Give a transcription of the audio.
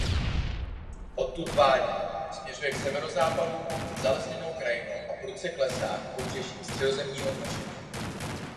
Odtud vádí směřuje k severozápadu zalesněnou krajinou a prudce klesá k pobřeží Středozemního moře.